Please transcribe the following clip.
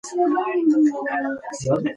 درس په مورنۍ ژبه تدریس کېږي.